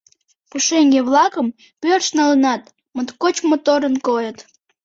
Пушеҥге-влакым пӧрш налынат, моткоч моторын койыт.